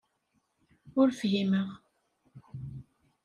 Ur fhimeɣ.